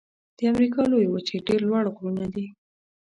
د امریکا لویې وچې ډېر لوړ غرونه دي.